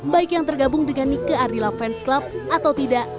baik yang tergabung dengan nike ardila fans club atau tidak